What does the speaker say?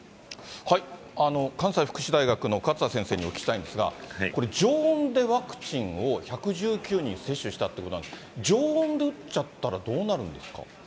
関西福祉大学の勝田先生にお聞きしたいんですが、これ、常温でワクチンを１１９人に接種したということなんですが、常温で打っちゃったら、どうなるんですか。